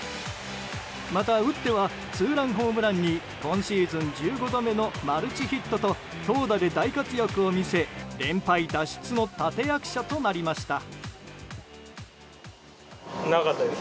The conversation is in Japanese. また打ってはツーランホームランに今シーズン１５度目のマルチヒットと投打で大活躍を見せ連敗脱出の立役者となりました。